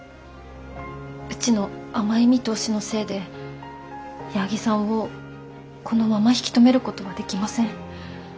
うちの甘い見通しのせいで矢作さんをこのまま引き止めることはできません。